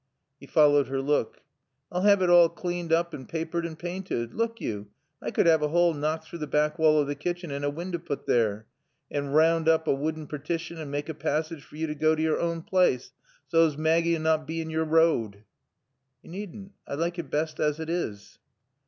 He followed her look. "I'll 'ave it all claned oop and paapered and paainted. Look yo I could have a hole knocked through t' back wall o' t' kitchen and a winder put there and roon oop a wooden partition and make a passage for yo t' goa to yore awn plaace, soa's Maaggie'll not bae in yore road." "You needn't. I like it best as it is."